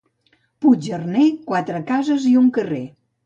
Puig-arner, quatre cases i un carrer.